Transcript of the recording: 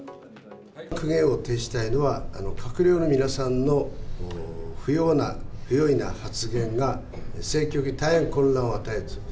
苦言を呈したいのは、閣僚の皆さんの不用意な発言が、政局に大変混乱を与える。